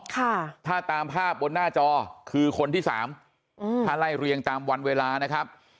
ค่ะถ้าตามภาพบนหน้าจอคือคนที่สามอืมถ้าไล่เรียงตามวันเวลานะครับ